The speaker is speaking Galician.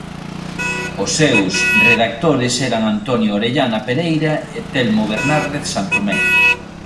Os seus redactores eran Antonio Orellana Pereira e Telmo Bernárdez Santomé.